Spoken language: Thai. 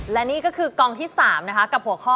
และนี่ก็คือกองที่๓นะคะกับหัวข้อ